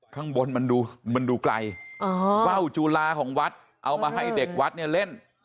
ข้างบนมันดูไกลว่าวจุลาของวัดเอามาให้เด็กวัดเนี่ยเล่น